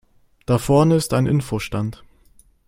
Da vorne ist ein Info-Stand.